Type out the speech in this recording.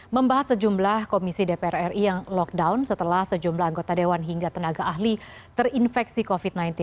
membahas sejumlah komisi dpr ri yang lockdown setelah sejumlah anggota dewan hingga tenaga ahli terinfeksi covid sembilan belas